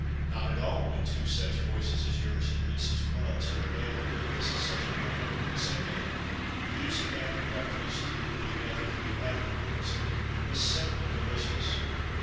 "Not at all, when two such voices as yours and Mrs. Blount's are available, and this is such a grand room to sing in. Music after breakfast—when you've nothing to do afterwards, is simply delicious."